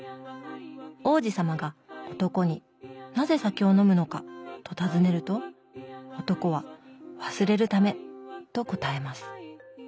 王子さまが男に「なぜ酒を飲むのか」と尋ねると男は「忘れるため」と答えます。